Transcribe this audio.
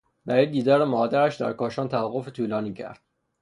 برای دیدار مادرش در کاشان توقف طولانی کرد.